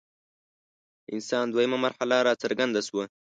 د انسان دویمه مرحله راڅرګنده شوه.